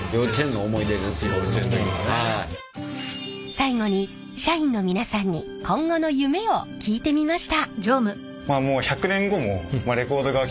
最後に社員のみなさんに今後の夢を聞いてみました。